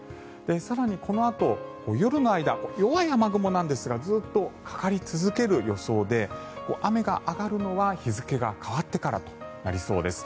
更にこのあと夜の間弱い雨雲なんですがずっとかかり続ける予想で雨が上がるのは日付が変わってからとなりそうです。